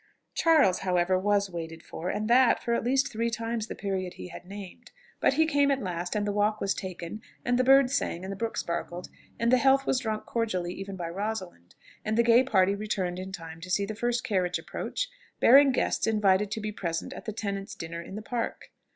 Charles however was waited for, and that for at least three times the period he had named; but he came at last, and the walk was taken, and the birds sang, and the brook sparkled, and the health was drunk cordially, even by Rosalind; and the gay party returned in time to see the first carriage approach, bearing guests invited to be present at the tenants' dinner in the Park.